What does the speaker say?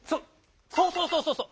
そうそうそうそうそう！